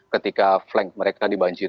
ketika flank mereka dibanjirin